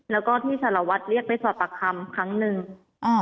แล้วก็ที่สารวัตรเรียกไปสอบปากคำครั้งหนึ่งอ่า